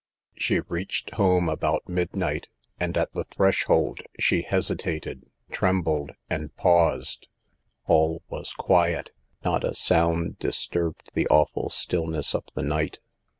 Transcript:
She reached home about midnight, and at the threshold she hesitated, trembled, and paused. All was quiet ; .not a sound disturbed the awful stillness of the night.